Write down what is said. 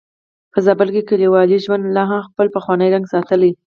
په زابل کې کليوالي ژوند لا هم خپل پخوانی رنګ ساتلی.